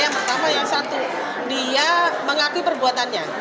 yang pertama yang satu dia mengakui perbuatannya